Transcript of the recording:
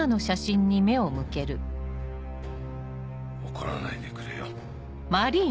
怒らないでくれよ。